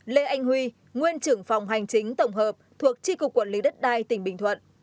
năm lê anh huy nguyên trưởng phòng hành chính tổng hợp thuộc tri cục quản lý đất đai tỉnh bình thuận